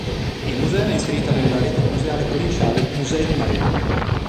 Il museo è inserito nella rete museale provinciale "Musei di Maremma".